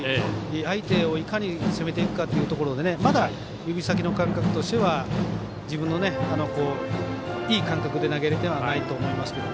相手を、いかに攻めていくかっていうところでまだ、指先の感覚としては自分のいい感覚で投げれてはないと思います。